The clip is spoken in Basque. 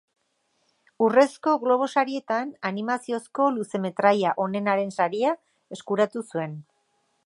Urrezko Globo Sarietan Animaziozko luzemetraia onenaren saria eskuratu zuen.